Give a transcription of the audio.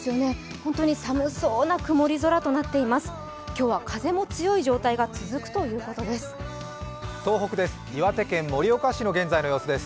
本当に寒そうな曇り空となっています。